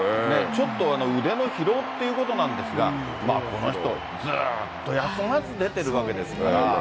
ちょっと、腕の疲労っていうことなんですが、この人、ずっと休まず出てるわけですから。